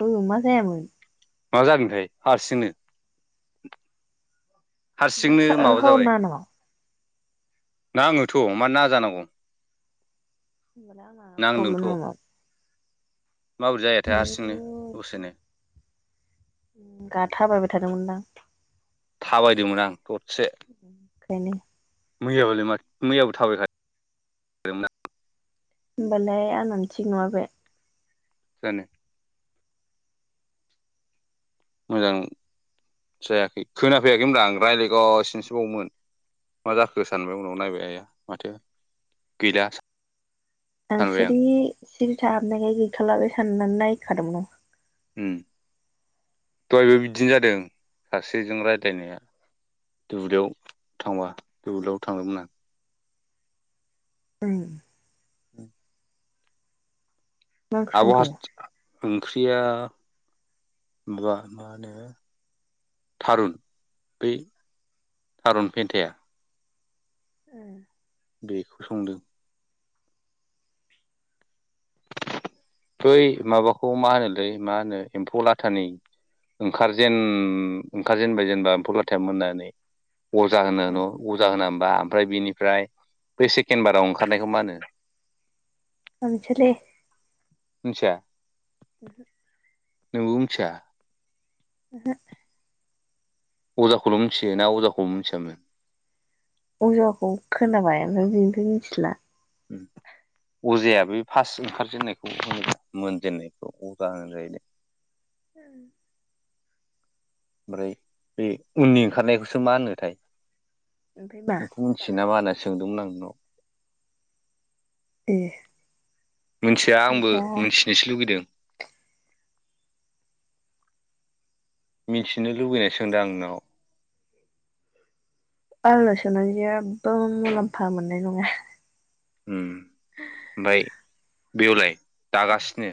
औ मा जायामोन? मा जादोंथाय हारसिंनो हारसिंनो माबा हरनाङा जाबाय। नाङो थ मान नाङा जानांगौ? होनबालाय आंना नांदोंथ' प्रब्लेमा माव? माबोरै जायाथाय हारसिंनो दसेनो उम गा थाबायबाय थादोंमोनदां? थाबायदोंमोन आं थट ओंखायनो। मैयाबालाय माथ मैयाबो थाबायखाद [unintelligible] दों [unintelligible] होमबालाय आंनानो थिग नङा बे। जानो। मोजां जायाखै खोनाफैयाखै मोनब्रा आं रायलायगासिनोसोबावमोन। मा जाखो सानबाय उनाव नायबाय आाया माथो गैला सा आं सिरि सिरि थाहाबनायखाय गैखाला बे सानना नायखादोंमोन आं उम दहायबो बिदिनो जादों सासेजों रायज्लायनाया। दुब्लियाव थांबा दुब्लियाव थांदोंमोन आं। उम। उ मा ओंख्रि आब'हा संखो [unintelligible] ओंख्रिया [unintelligible] मा होनो थारुन बै थारुन पेन्थाया बेखौ संदों। बै माबाखौ मा होनोलै मा होनो एम्फौ लाथानि ओंखारजेन ओंखारजेनबाय जेनेबा एम्फौ लाथाया मोननानै अजा होनो न' अजा होना [unintelligible] बिनिफ्राय बे सेकेण्ड बाराव ओंखारनायखौ मा होनो? आं मिथिया लै। मिथिया। [unintelligible] नोंबो मिथिया ओहो अजाखौल' मिथियोना अजाखौबो मिथियामोन? अजाखौ खोनाबाय ओमफाय बिनिफ्राय मिथिला अजाया बे फास्ट ओंखारजेननायखौ होनोबा मोनजेननायखौ अजा होनो जाहैदों। [unintelligible] ओमफ्राय बे उननि ओंखारनायखौसो मा होनोथाय? ओमफ्राय मा नोंखौ मिथियो नामा होनना सोंदोंमोन आं नोंनाव। ए। मिथिया आंबो मिथिनोसो लुगैदों। मिथिनो लुबैनाय सोंदों आं नोंनाव। आंनाव सोंना जेब्बो मुलाम्फा मोननाय नङा। उम ओमफ्राय बेवलाय दागासिनो?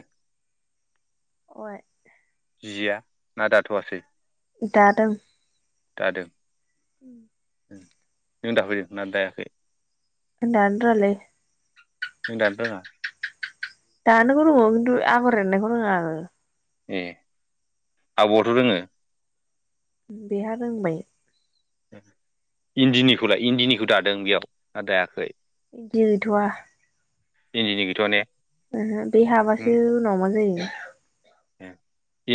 अ। जिया ना दाथ'आसै। दादों। दादों। उम। नों दाफैदों ना दायाखै। आं दानो रोंङालै। नों दानो रोङा? दानोखौ रोंगौ किनटु आगर एरनायखौ रोंङा आरो। ए आब'आथ' रोङो। बेहा रोंबाय। इन्दिनिखौलाय इन्दिनिखौ दादों बेयाव ना दायाखै? इन्दि गैथ'वा। इन्दिनि गैथ'आ ने? ओहो बे उम हाबासो उनाव मा जायो।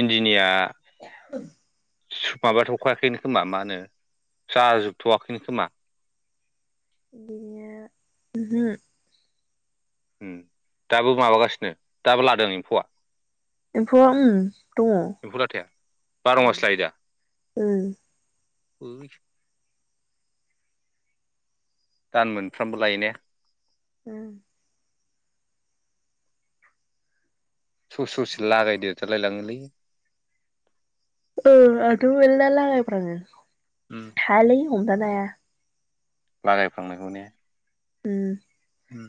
इन्दिनिया [unintelligible] माबाथ'खायाखैनो खोमा मा होनो जाजोबथ'वाखैनो खोमा। इदिनो ओहो ओम दाबो माबागासिनो दाबो लादों एम्फौआ एम्फौआ ओम दङ औ एम्फौ लाथाया बार' ओ मास लायो दा [unintelligible] दान मोनफ्रामबो लायो ने? उम ससे ससे लागायदेरथारलाय लाङोलै। ओ आंथ' मेलला लागायफ्राङो उम हायालै हमथानो हाया। लागायफ्लांनायखौ ने ओम उम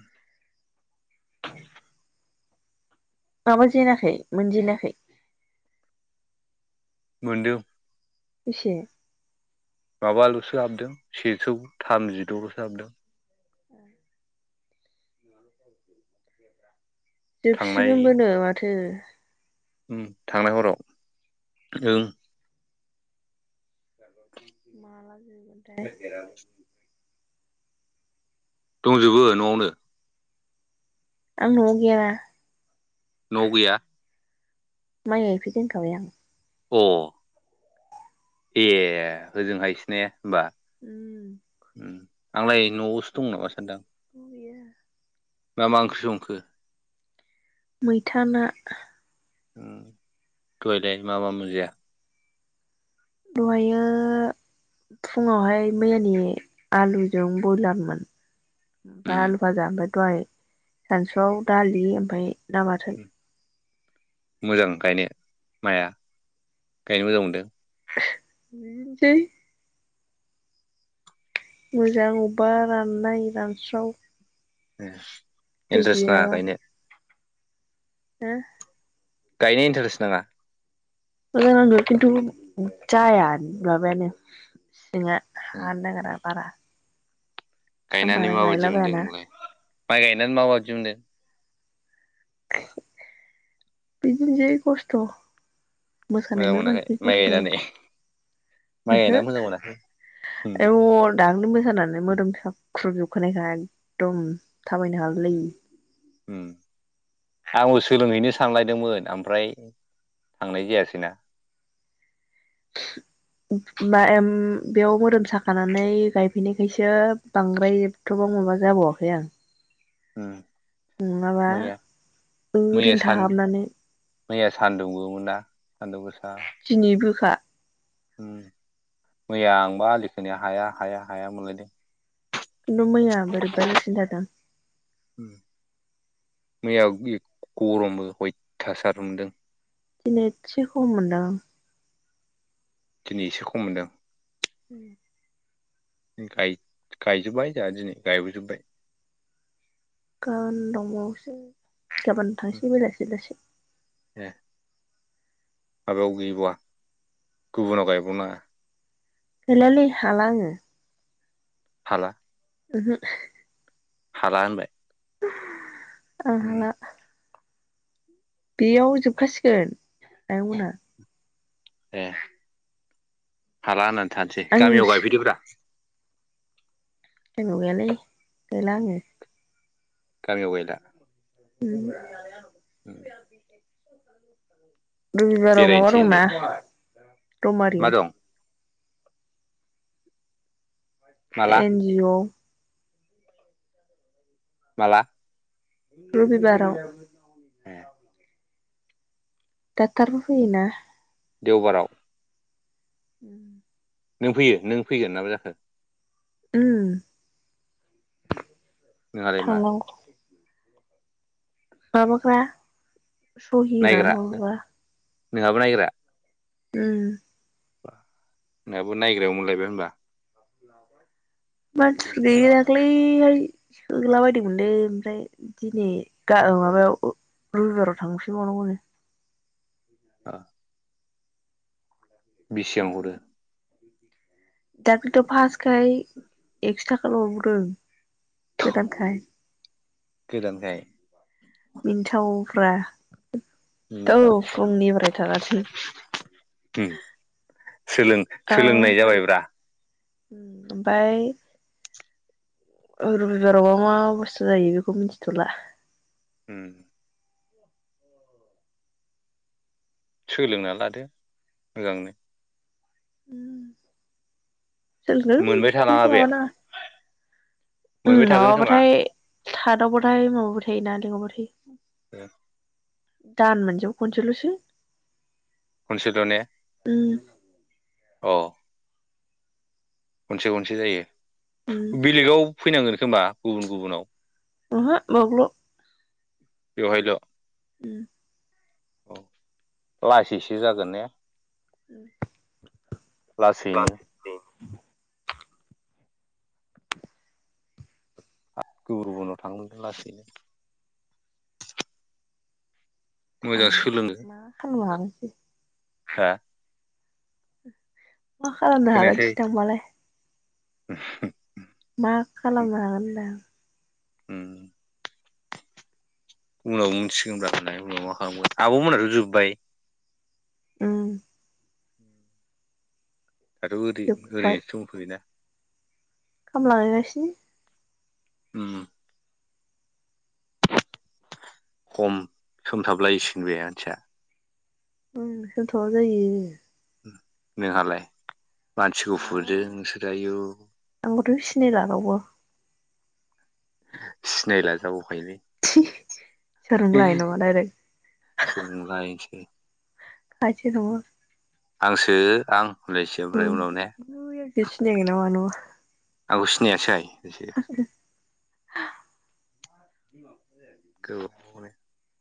माबाजेनाखै मोनजेनाखै? मोनदों बेसे? माबाल'सो हाबदों सेजौ थामजिद'ल'सो हाबदों। ए जोबसिगोनबोनो माथो। ओम थांनाय हराव ओं माला जोबोथाय। [unintelligible] दंजोबो न'आवनो? आं न'आव गैया। न'आव गैया? माइ गायफैदों होनखाबाय आं। अ ए ओजोंहायसो ने होमबा? उम ओम आंलाय न'आवसो दं नामा सानदां गैया। मा मा ओंख्रि संखो? मैथा ना। ओम दहायलाय मा मा मोनजाया? दहायो फुङावहाय मैयानि आलुजों बयलारमोन। ओमफाय आलु उम फाजा ओमफ्राय दहाय सानसुआव दालि ओमफ्राय ना बाथोन। मोजां गायनो माइआ गायनो मोजां मोनदों? [unintelligible] मोजां अबबा राननाय रानस्राव ए दै इन्ट्रेस्ट नाङा गैयाबा गायनो? हो? गायनाय इन्टारेस्ट नाङा? मोजां नांदों खिन्थु जाया माबायानो। जोंहा हानो नागेरा बारा। आं गायनानै बारा माबायदि मोनदों गायलाबायाना नोंलाय माइ गायनानै माबायदि मोनदों? बिदिनोसै खस्थ' मोजां मोसानायबो मोनाखै बांसिन माइ खस्थ'। गायनानै माइ गायनानै मोजां मोनाखै उम ओहो [unintelligible] सानानै मोदोम साख्रुबजुबखानायखा एकदम थाबायनो हागुलायि उम [inaudible] आंबो सोलोंहैनो सानलायदोंमोन ओमफ्राय थांनाय जायासै ना। [unintelligible] बा एम बेयाव मोदोम साखानानै गायफैनायखायसो बांद्राय जोबथबाव माबा जाबावाखै आं। उम नङाबा मैया मैया ओरैनो सान थाहाबनानै। मैया सान्दुंबो मोना सान्दुं गो दिनैबोखा। मैया आंबा आलिखोनाया हाया हाया हाया मोनलायदों। किन्थु मैया बोरैबा जासिन थारदों। उम मैया गरमबो हयथासार नदों। दिनै एसे खम मोनदों दिनै एसे खम मोनदों। उम गायो-गायजोब्बाय जोंहा दिनै गायबोजोबबाय। गाबोन दंबावोसो। गाबोन थांनोसै बेलासे बेलासे। ए। माबायाव गैबावा गुबुनाव गायबावनाङा? गैलालै हाला आङो। हाला? उमहु हाला होनबाय। आं उम हाला। बेयाव जोबखासिगोन आइंमोनहा। ए हाला होननानै थानोसै आं गामियाव आंनाव गायफैदोब्रा। जोंनाव गैयालै गैला आङो। गामियाव गैला? उम उम रबिबाराव माबा बेरायनोसै दं होनदो ना रौमारिया? मा दं माला एन जि अ माला? रबिबाराव। ए दाक्टारबो फैयो ना? देवबाराव। उम नों फैयो नों फैगोन नाबा जाखो? उम। नोंहालाय मा? थांनांगौ माबाग्रा सहि होनानै नायग्रा हरग्रा। नोंहाबो नायग्रा? उम नोंहाबो नायग्रायाव मोनलायबाय होनबा? [inaudible] मानसिफोर गैयि दाख्लैहाय सोला बायदि मोनदों ओमफ्राय दिनै माबायाव रबिबाराव थांसैबावनांगौनो। आह बेसेबां हरो? दाखलिथ' फासखाय एक्स' थाखा लाबोवदों। गोदानखाय। गोदान खाय। मिनथावफ्रा औ मिनिथाव फुंनिफ्राय थानानै। उम सोलों सोलोंनाय जाबायब्रा। ओमफफ्राय रबिबारावबा मा बुस्थु जायो बेखौ मिथिथ'ला। उम सोलोंना लादो मोजांनो। सोलों मोनबाय जे थानाङा बे माबा नाङा मोनबाय थागोन खोमा माबाबाथाय थादावबायथाय माबबो ना लेंहरबाय थायो। ओं। दान मोनसेयाव खनसेलसो। खनसेल' ने? उम अ खनसे खनसे उम जायो बेलेगाव फैनांगोन खोमा गुबुन गुबुनाव। बहा बावल'। बेहायल'। ओम औ लासैसो जागोन ने? लासैनो [unintelligible] [inaudible] गुबुन गुबुननाव थांदों लासैनो। मोजां ओं सोलोङो [unintelligible] हा मा खालामनो खोनायासै हागोनसै थांबालाय? [unintelligible] मा खालामनो हागोन‌ हानदां? उम उनाव मोनथिगोनब्ला उनाव मा खालामगोन आब' मोनहाथ' जोब्बाय। उम दाथ' जोब्बाय ओरै-ओरैनोसो दंथयोना। खामला गायगासिनो। उम खम सोमथाबलायसिगोन बे मानसिया। उम सोमथाबा जायो। नोंहालाय? मानसि मा गुफुरदों नोंसोर आवौ। आंखौथ' सिनायला रावबो सिनायला जाबावखायलै। सोर नोंलाय नामा डाइरेक्ट सोलोंला हैनोसौ। खासेखौबो आंसो आं होनलायसो ओमफ्राय उनाव ने? सिनायगोन ना मा नङा आंगौ सिनायासै होनसै। [unintelligible] [unintelligible]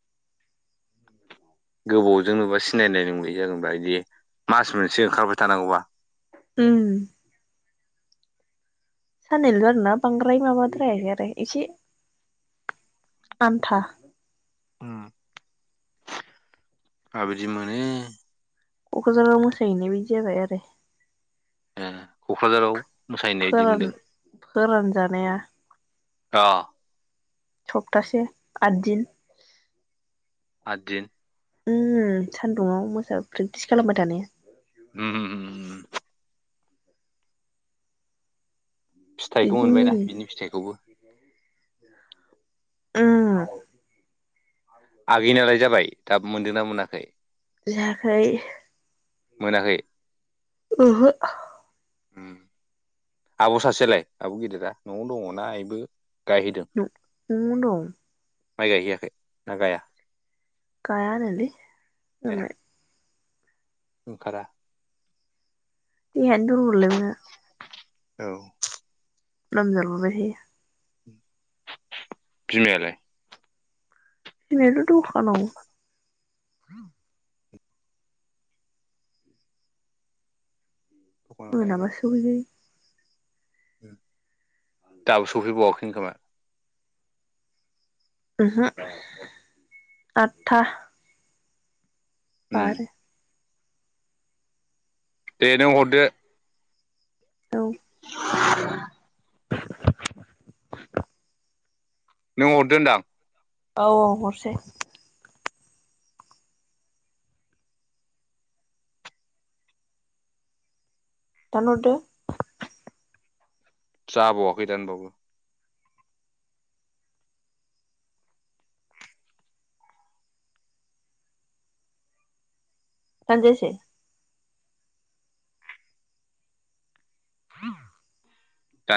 गोबावजों नुबा सिनायनाय नंलिया जागोनबा बिदि मास मोनसे ओंखारबाय थानांगौबा। उम साननैल' आरोना बांग्राय माबाद्रायाखै आरो इसे। आन्था उम आबिदि मोनो। कक्राझाराव मोसाहैनाय बादि जाबाय आरो। ए क'क्राझाराव मोसाहैनाय बायदि फोरान मोनदों फोरानजानाया अह। सप्तासे आद दिन। आददिन? उम सान्दुङाव मोसा प्रेक्टिस खालामबाय थानाया। [unintelligible] फिथाइखौ बिदिनो मोनबाय ना जायो बिनि फिथाइखौबो। उम आगैनालाय जाबाय दाबो मोनदोंना मोनाखै? जायाखै मोनाखै ओहो। उम आब' सासेलाय आब' गिदिरा न'आव दंङना इबो? न'-न'आवनो दं। माइ गायहैयाखै, ना गाया? गायानोलै ए मालाय। ओंखारा? देहायानो दुरब'ललै बेना। औ। लोमजा लुबाय [unintelligible] बिमायालाय? बिमायाथ' दखानाव। दखानाव थायोना मोनाबासो सौफैखायो। दाबो सफै बावाखैनो खोमा? उमहु आदथा। उम बारो। दे नों हरदो। औ। [inaudible] [inaudible] नों हददो होन्दां। औ औ हरसै। दानहरदो। जाबावाखै दानबाबो। दानजायासै? [inaudible] दा